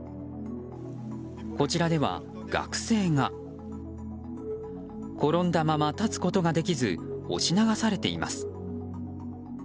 こちらでは、学生が転んだまま立つことができず押し流されています。